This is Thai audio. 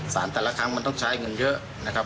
สารแต่ละครั้งมันต้องใช้เงินเยอะนะครับ